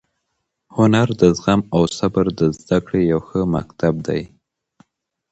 هنر د زغم او صبر د زده کړې یو ښه مکتب دی.